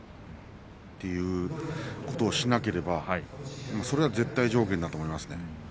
そういうことをしなければそれが絶対条件だと思います。